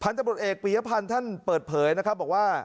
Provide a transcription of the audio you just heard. พันธุ์ประด่วนเอกปียะพันธุ์ท่านเปิดเผยนะครับบอกว่า